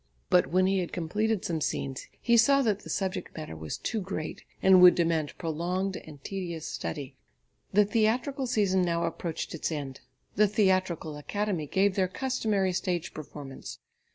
But when he had completed some scenes, he saw that the subject matter was too great and would demand prolonged and tedious study. The theatrical season now approached its end. The Theatrical Academy gave their customary stage performance.